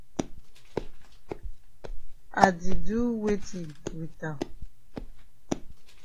I di do weti wit am?